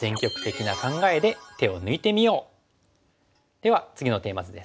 では次のテーマ図です。